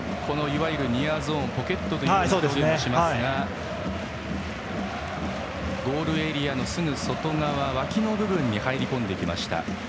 いわゆるニアゾーンポケットとも呼ばれますがゴールエリアのすぐ外側脇の部分に入り込んできました。